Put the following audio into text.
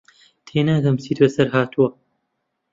تێناگەم چیت بەسەر هاتووە.